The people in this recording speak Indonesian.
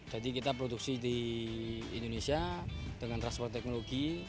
jadi kita produksi di indonesia dengan transport teknologi